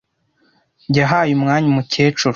Yahaye umwanya umukecuru.